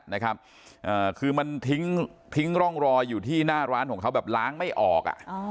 นะครับคือมันทิ้งทิ้งร่องรอยอยู่ที่หน้าร้านของเขาแบบล้างไม่ออกอ่ะ